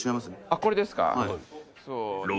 あっこれですか？